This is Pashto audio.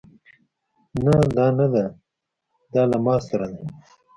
نه دا نده دا له ما سره دی